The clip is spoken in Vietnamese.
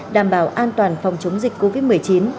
đảm bảo an toàn phòng chống dịch covid một mươi chín